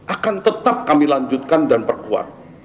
akan tetap kami lanjutkan dan perkuat